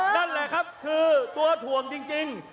นั่นแหละครับคือตัวถ่วงจริง